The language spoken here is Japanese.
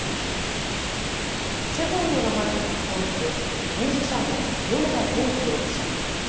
ＣＨＥＨＯＮの名前で活動するミュージシャンの米田浩二容疑者。